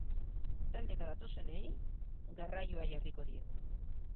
Taldeka datozenei garraioa jarriko diegu.